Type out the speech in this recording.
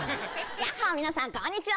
⁉ヤッホ皆さんこんにちは！